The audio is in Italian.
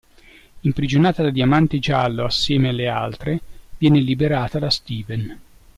Imprigionata da Diamante Giallo assieme alle altre, viene liberata da Steven.